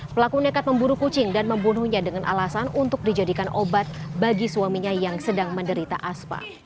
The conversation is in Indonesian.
pelaku nekat memburu kucing dan membunuhnya dengan alasan untuk dijadikan obat bagi suaminya yang sedang menderita aspa